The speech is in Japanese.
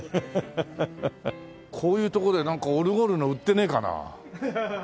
こういう所でなんかオルゴールの売ってねえかな？